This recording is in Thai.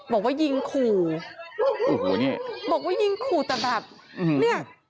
บอกว่ายิงขู่โอ้โหนี่บอกว่ายิงขู่แต่แบบเนี่ย